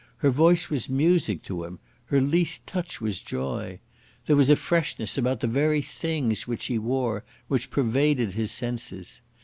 Her voice was music to him; her least touch was joy. There was a freshness about the very things which she wore which pervaded his senses.